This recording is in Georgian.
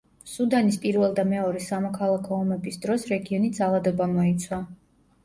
სუდანის პირველ და მეორე სამოქალაქო ომების დროს რეგიონი ძალადობამ მოიცვა.